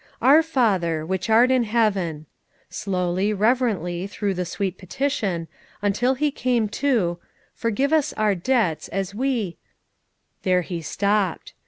"Our Father which art in heaven," slowly reverently, through the sweet petition, until he came to "forgive us our debts as we" There he stopped.